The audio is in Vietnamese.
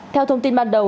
theo thông tin ban đầu